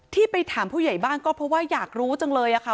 ที่ไปถามผู้ใหญ่บ้านก็เพราะว่าอยากรู้จังเลยค่ะ